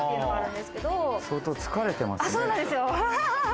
相当疲れてますね。